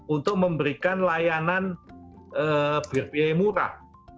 untuk memberikan layanan berbiaya murah